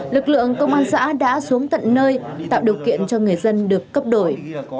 lực lượng công an xã đã xuống tận nơi tạo điều kiện cho người dân được cấp đổi